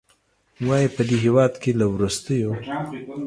وايي، په دې هېواد کې له وروستیو